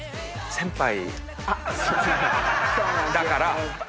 先輩だから。